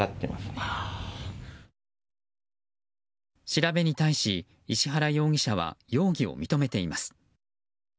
調べに対し、石原容疑者は容疑を認めています。